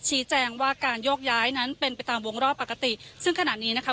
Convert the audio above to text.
ชี้แจงว่าการโยกย้ายนั้นเป็นไปตามวงรอบปกติซึ่งขณะนี้นะคะ